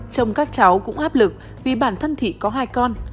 chồng các cháu cũng áp lực vì bản thân thị có hai con